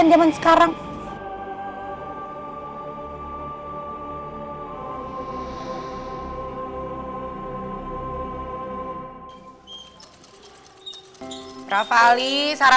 nanti aku mah ber reproduksi